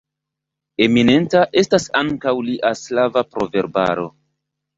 Eminenta estas ankaŭ lia slava proverbaro.